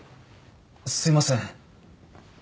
すいません。